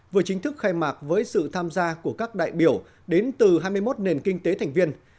vừa chính thức khai mạc với sự tham gia của các đại biểu đến từ hai mươi một nền kinh tế thành viên